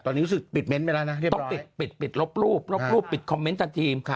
ตอนนี้รู้สึกปิดเม้นท์ไปแล้วนะเรียบร้อยปิดลบรูปปิดคอมเม้นท์ทันที